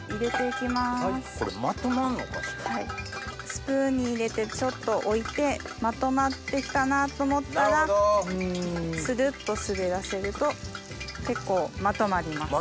スプーンに入れてちょっと置いてまとまって来たなと思ったらスルっとすべらせると結構まとまります。